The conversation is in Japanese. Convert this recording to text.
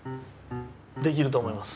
できると思います。